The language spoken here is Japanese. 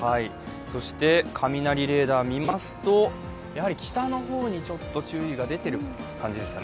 そして雷レーダー見ますと北のほうにちょっと注意が出ている感じですかね。